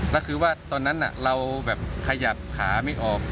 แล้วคือว่าตอนนั้นเราแบบขยับขาไม่ออก